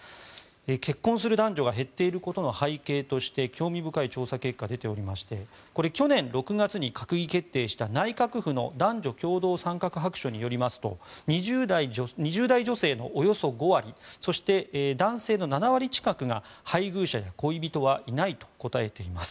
結婚する男女が減っていることの背景として興味深い調査結果が出ておりましてこれ、去年６月に閣議決定した内閣府の男女共同参画白書によりますと２０代女性のおよそ５割そして、男性の７割近くが配偶者や恋人はいないと答えています。